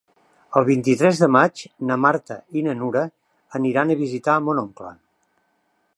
El vint-i-tres de maig na Marta i na Nura aniran a visitar mon oncle.